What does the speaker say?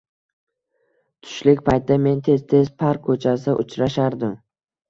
Tushlik paytida men tez -tez Park ko'chasida uchrashardim